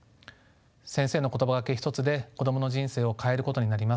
先生の言葉がけひとつで子供の人生を変えることになります。